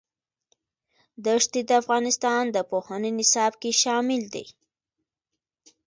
دښتې د افغانستان د پوهنې نصاب کې شامل دي.